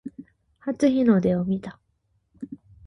初日の出を見た